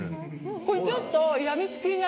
これちょっと。